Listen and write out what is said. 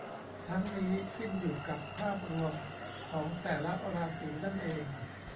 ทั้งนี้ ขึ้นอยู่กับภาพรวมของแต่ละราศีนั่นเอง